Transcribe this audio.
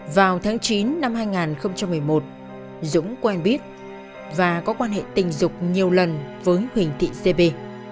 vào tháng chín năm hai nghìn một mươi một dũng quen biết và có quan hệ tình dục nhiều lần với huỳnh thị cb